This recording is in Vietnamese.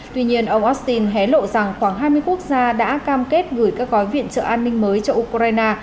tuy nhiên ông austin hé lộ rằng khoảng hai mươi quốc gia đã cam kết gửi các gói viện trợ an ninh mới cho ukraine